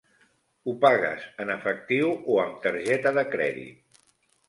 Ho pagues en efectiu o amb targeta de crèdit?